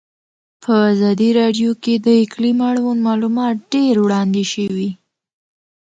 په ازادي راډیو کې د اقلیم اړوند معلومات ډېر وړاندې شوي.